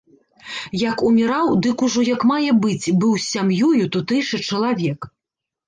Як уміраў, дык ужо як мае быць быў з сям'ёю тутэйшы чалавек.